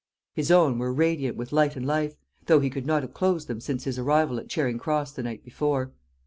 His own were radiant with light and life, though he could not have closed them since his arrival at Charing Cross the night before.